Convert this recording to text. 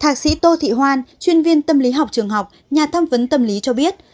thạc sĩ tô thị hoan chuyên viên tâm lý học trường học nhà thăm vấn tâm lý cho biết